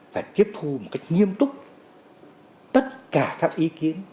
phải tiếp thu một cách nghiêm túc tất cả các ý kiến